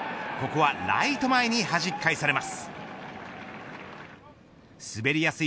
ここはライト前にはじき返されます。